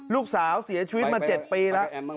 ลูกสาวเสียชีวิตมา๗ปีแล้ว